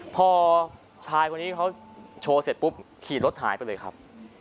พอชายคนนี้เขาโชว์เสร็จปุ๊บขี่รถหายไปเลยครับ